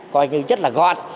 coi như rất là gọn